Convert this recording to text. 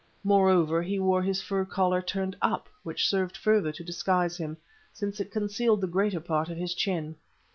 Moreover, he wore his fur collar turned up, which served further to disguise him, since it concealed the greater part of his chin.